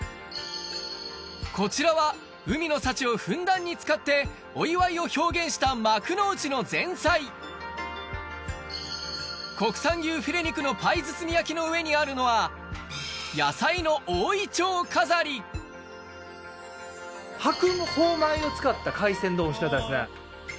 こちらは海の幸をふんだんに使ってお祝いを表現した幕の内の前菜国産牛フィレ肉のパイ包み焼きの上にあるのは野菜の大銀杏飾り白鵬米を使った海鮮丼おいしかったですね。